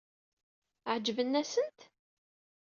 Ɛeǧben-asent?